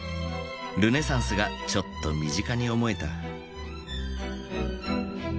ルネサンスがちょっと身近に思えた。